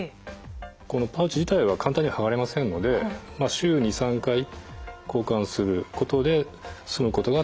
このパウチ自体は簡単には剥がれませんので週２３回交換することで済むことが通常です。